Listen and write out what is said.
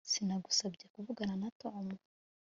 Sinagusabye kuvugana na Tom